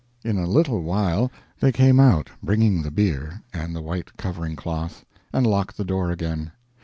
In a little while they came out bringing the bier and the white covering cloth, and locked the door again.